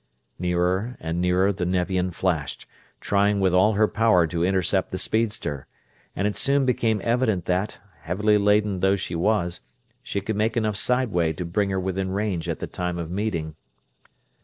Nearer and nearer the Nevian flashed, trying with all her power to intercept the speedster; and it soon became evident that, heavily laden though she was, she could make enough sideway to bring her within range at the time of meeting.